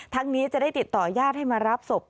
ทั้งนี้จะได้ติดต่อยาธิ์ให้มารับสบ